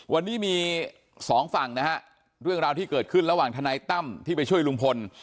วันนี้มีสองฝั่งนะฮะเรื่องราวที่เกิดขึ้นระหว่างทนายตั้มที่ไปช่วยลุงพล